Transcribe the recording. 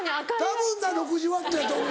たぶん６０ワットやと思うねん。